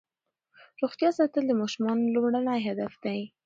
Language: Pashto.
روغتیا ساتل د ماشومانو لومړنی هدف دی.